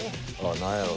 何やろ？